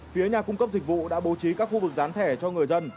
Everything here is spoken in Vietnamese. phía nhà cung cấp dịch vụ đã bố trí các khu vực rán thẻ cho người dân